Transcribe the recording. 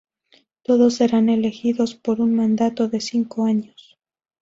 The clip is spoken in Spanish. Todos serán elegidos por un mandato de cinco años.